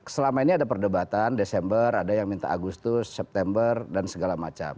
selama ini ada perdebatan desember ada yang minta agustus september dan segala macam